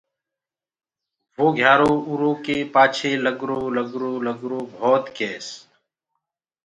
وو گھِيارو اُرو ڪي پآڇي لگرو لگرو لگرو گھڻي ڪيس۔